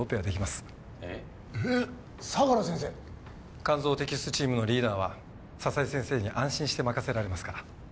肝臓摘出チームのリーダーは佐々井先生に安心して任せられますから。